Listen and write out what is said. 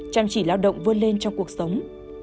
chăm chỉ lao động vươn lên trong cuộc sống